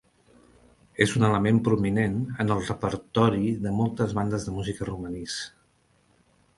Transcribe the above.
És un element prominent en el repertori de moltes bandes de música romanís.